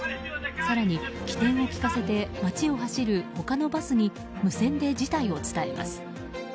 更に、機転を利かせて街を走る他のバスに無線で事態を伝えます。